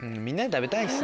みんなで食べたい。